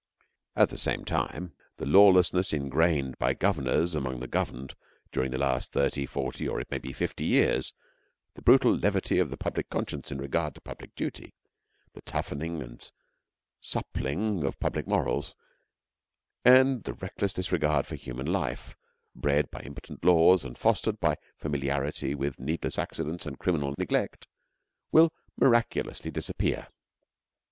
At the same time the lawlessness ingrained by governors among the governed during the last thirty, forty, or it may be fifty years; the brutal levity of the public conscience in regard to public duty; the toughening and suppling of public morals, and the reckless disregard for human life, bred by impotent laws and fostered by familiarity with needless accidents and criminal neglect, will miraculously disappear.